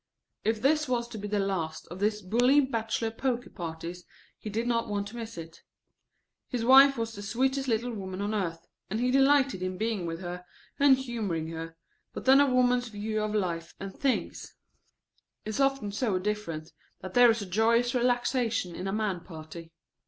If this was to be the last of these bully, bachelor, poker parties he did not want to miss it. His wife was the sweetest little woman on earth, and he delighted in being with her, and humoring her, but then a woman's view of life and things is often so different that there is a joyous relaxation in a man party.